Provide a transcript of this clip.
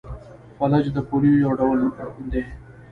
فلج د پولیو یو ډول دی.